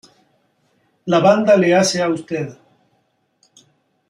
La banda le hace a Ud.